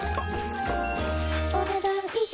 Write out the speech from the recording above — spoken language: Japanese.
お、ねだん以上。